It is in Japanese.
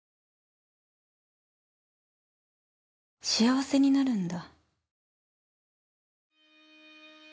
幸せになるんだ